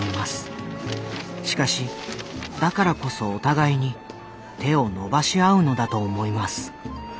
しかしだからこそお互いに手を伸ばし合うのだと思います。